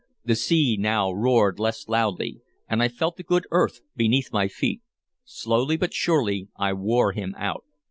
The sea now roared less loudly, and I felt the good earth beneath my feet. Slowly but surely I wore him out.